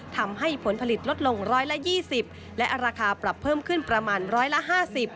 ทำให้ผลผลิตลดลง๑๒๐บาทและราคาปรับเพิ่มขึ้นประมาณ๑๕๐บาท